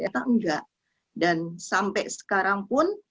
tidak dan sampai sekarang pun